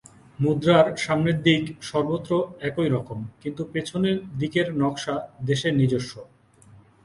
মুদ্রার সামনের দিক সর্বত্র একই রকম, কিন্তু পেছনের দিকের নকশা দেশের নিজস্ব।